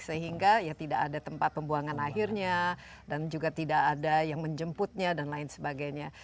sehingga ya tidak ada tempat pembuangan akhirnya dan juga tidak ada yang menjemputnya dan lain sebagainya